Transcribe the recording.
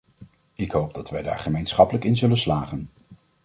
Ik hoop dat wij daar gemeenschappelijk in zullen slagen.